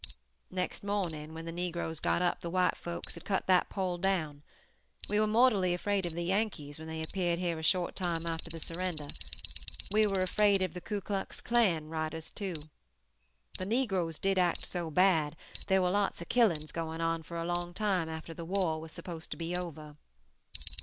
"Next morning when the Negroes got up the white folks had cut that pole down. We were mortally afraid of the Yankees when they appeared here a short time after the surrender. We were afraid of the Ku Klux Klan riders too. The Negroes did act so bad; there were lots of killings going on for a long time after the war was supposed to be over.